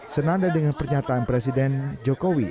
senada dengan pernyataan presiden jokowi